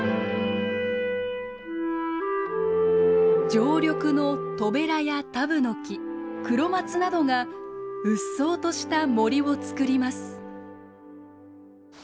常緑のトベラやタブノキクロマツなどがうっそうとした森を作ります。